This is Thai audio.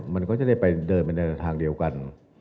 มันก็จะได้ไปเดินไปในทางเดียวกัน